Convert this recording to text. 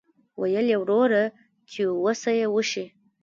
ویل یې وروره چې وسه یې وشي.